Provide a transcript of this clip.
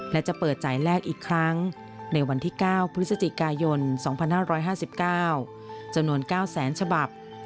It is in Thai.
และจะเปิดจ่ายแรกอีกครั้งในวันที่๙พฤศจิกายน๒๕๕๙จำนวน๙แสนฉบับ